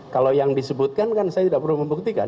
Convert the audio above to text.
kalau yang disebutkan kan saya tidak perlu membuktikan